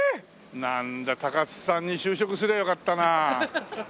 なんだ高津さんに就職すりゃよかったな。